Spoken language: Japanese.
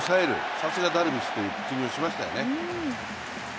さすがダルビッシュというピッチングをしましたよね。